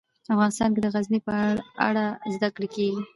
افغانستان کې د غزني په اړه زده کړه کېږي.